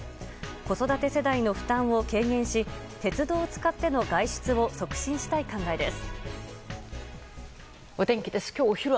子育て世代の負担を軽減し鉄道を使っての外出を促進したい考えです。